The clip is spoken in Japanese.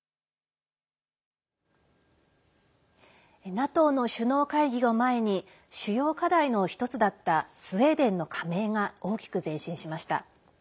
ＮＡＴＯの首脳会議を前に主要課題の一つだったスウェーデンの加盟が大きく前進しました。